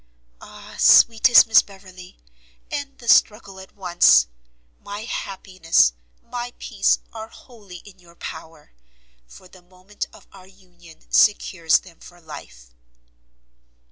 Ah! sweetest Miss Beverley, end the struggle at once! My happiness, my peace, are wholly in your power, for the moment of our union secures them for life.